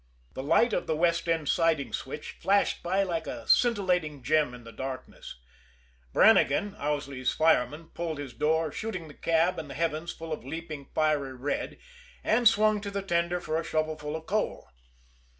The light of the west end siding switch flashed by like a scintillating gem in the darkness. Brannigan, Owsley's fireman, pulled his door, shooting the cab and the heavens full of leaping, fiery red, and swung to the tender for a shovelful of coal.